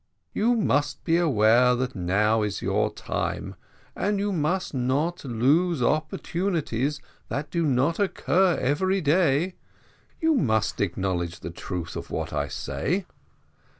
You must be aware that now is your time, and you must not lose opportunities that do not occur every day. You must acknowledge the truth of what I say."